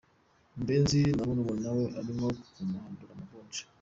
Murenzi na murumuna we arimo kumuhandura amavunja.